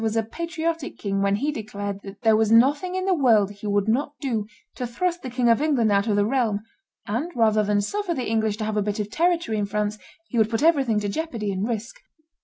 was a patriotic king when he declared that "there was nothing in the world he would not do to thrust the King of England out of the realm, and, rather than suffer the English to have a bit of territory in France, he would put everything to jeopardy and risk."